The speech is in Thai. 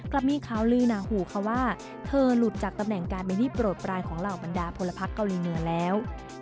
กลับมีข่าวลือหนาหูค่ะว่าเธอหลุดจากตำแหน่งการเป็นหนี้โปรดปลายของเหล่าบรรดาพลพักเกาหลีเหนือแล้ว